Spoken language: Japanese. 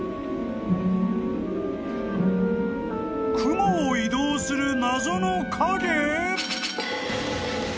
［雲を移動する謎の影！？］